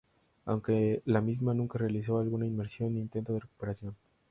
Aunque la misma nunca realizó alguna inmersión ni intento de recuperación.